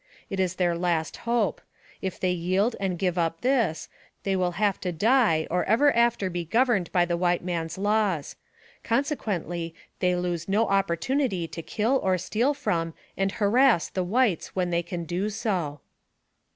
It is their last hope; if they yield and give up this, they will have to die or ever after be governed by the white man's laws; con sequently they lose no opportunity to kill or steal from and harass the whites when they can do so.